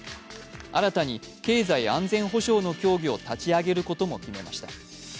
新たに経済安全保障の協議を立ち上げることも決めました。